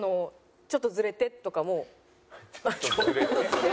「ちょっとズレて」とかも。